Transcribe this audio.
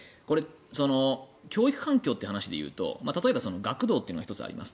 教育環境という話で言うと１つ、学童という話がありますと。